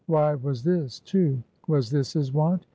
Why was this, too? Was this his wont?